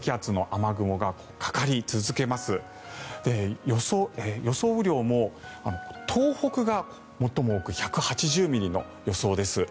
雨量も東北が最も多く１８０ミリの予想です。